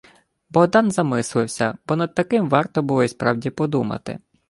Богдан замислився, бо над таким варто було й справді подумати.